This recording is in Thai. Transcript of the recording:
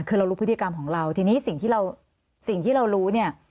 คือเรารู้พฤติกรรมของเราทีนี้สิ่งที่เรารู้นี่